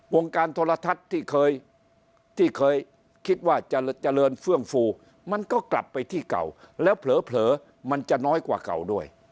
วงการโทรทัศน์ที่เคยที่เคยคิดว่าจะเจริญเฟื่องฟูมันก็กลับไปที่เก่าแล้วเผลอมันจะน้อยกว่าเก่าด้วย